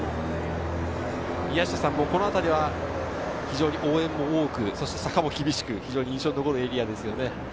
宮下さんもこのあたりは非常に応援も多くて坂も厳しく印象に残るエリアですよね。